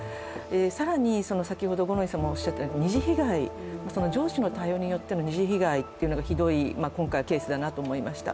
更に、二次被害が、上司の対応による二次被害もひどい今回はケースだなと思いました。